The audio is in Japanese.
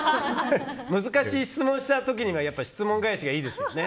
難しい質問した時には質問返しがいいですよね。